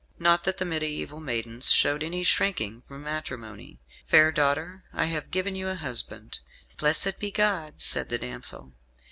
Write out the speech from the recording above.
Not that the mediæval maidens showed any shrinking from matrimony. "Fair daughter, I have given you a husband." "Blessed be God," said the damsel.